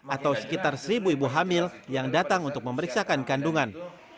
atau sekitar seribu ibu hamil yang datang untuk memeriksakan kandungan